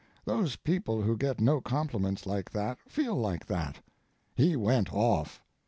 Those people who get no compliments like that feel like that. He went off.